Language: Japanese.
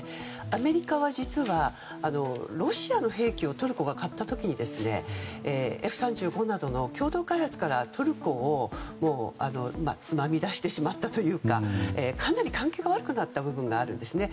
アメリカは実はロシアの兵器をトルコが買った時にＦ３５などの共同開発からトルコをつまみ出してしまったというかかなり関係が悪くなった部分があるんですね。